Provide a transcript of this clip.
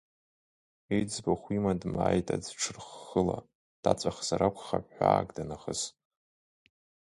Иӡбахә има дмааит аӡә ҽырххыла, даҵәахзар акәхап ҳәаак, данахыс.